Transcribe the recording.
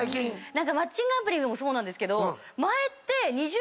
マッチングアプリでもそうなんですけど前って。